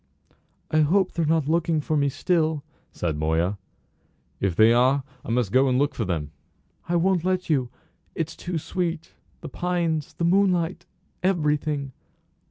"I hope they're not looking for me still," said Moya. "If they are I must go and look for them." "I won't let you. It's too sweet the pines the moonlight everything."